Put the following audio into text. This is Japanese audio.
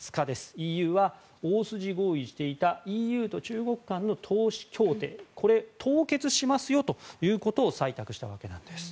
ＥＵは大筋合意していたＥＵと中国間の投資協定を凍結しますよということを採択したわけです。